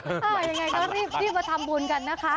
ยังไงก็รีบมาทำบุญกันนะคะ